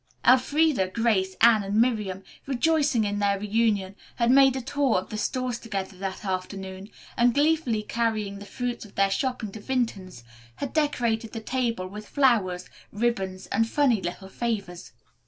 Elfreda, Grace, Anne and Miriam, rejoicing in their reunion, had made a tour of the stores together that afternoon, and gleefully carrying the fruits of their shopping to Vinton's had decorated the table with flowers, ribbons and funny little favors.